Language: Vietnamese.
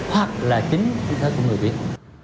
hoặc là chính tâm thế của người việt